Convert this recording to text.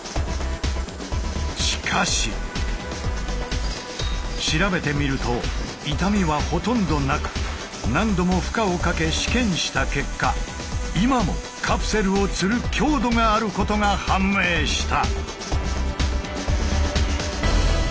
しかし調べてみると傷みはほとんどなく何度も負荷をかけ試験した結果今もカプセルを吊る強度があることが判明した。